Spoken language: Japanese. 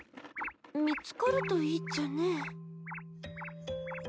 見つかるといいっちゃね。